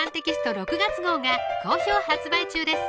６月号が好評発売中です